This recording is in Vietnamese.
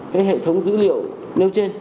cái hệ thống dữ liệu nêu trên